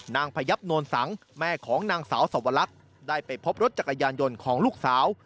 พยับนวลสังแม่ของนางสาวสวรรคได้ไปพบรถจักรยานยนต์ของลูกสาว